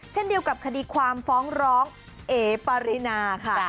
เช่นเดียวกับคดีความฟ้องร้องเอ๋ปารินาค่ะ